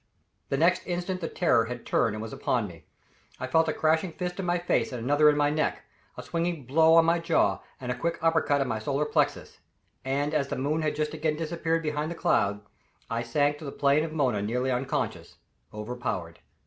The next instant the "terror" had turned and was upon me. I felt a crashing fist in my face and another in my neck, a swinging blow on my jaw and a quick upper cut in my solar plexus; and as the moon had just again disappeared behind the cloud, I sank to the plain of Mona nearly unconscious overpowered.